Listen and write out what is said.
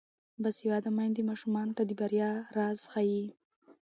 باسواده میندې ماشومانو ته د بریا راز ښيي.